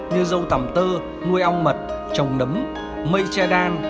như dâu tầm tơ nuôi ong mật trồng nấm mây che đan